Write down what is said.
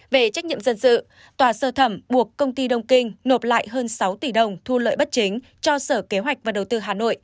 về trách nhiệm dân sự tòa sơ thẩm buộc công ty đông kinh nộp lại hơn sáu tỷ đồng thu lợi bất chính cho sở kế hoạch và đầu tư hà nội